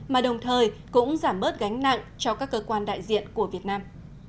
mà đồng thời cũng giảm bớt gánh nặng cho các cơ quan đại diện của việt nam